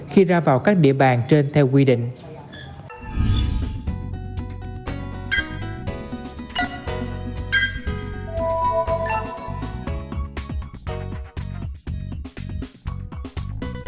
khi ra vào các địa bàn trên theo quy định